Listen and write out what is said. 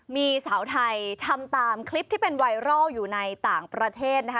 มีสาวไทยทำตามคลิปที่เป็นไวรัลอยู่ในต่างประเทศนะคะ